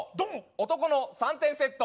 男の３点セット。